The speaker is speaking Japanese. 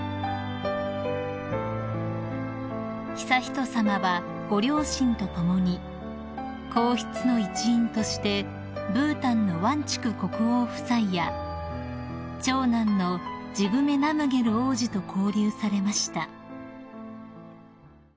［悠仁さまはご両親と共に皇室の一員としてブータンのワンチュク国王夫妻や長男のジグメ・ナムゲル王子と交流されました］